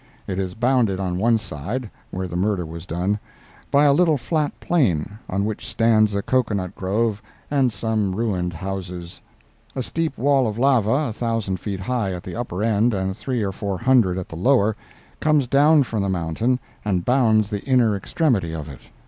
It is bounded on one side—where the murder was done—by a little flat plain, on which stands a cocoa nut grove and some ruined houses; a steep wall of lava, a thousand feet high at the upper end and three or four hundred at the lower, comes down from the mountain and bounds the inner extremity of it.